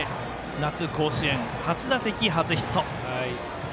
夏甲子園、初打席初ヒット。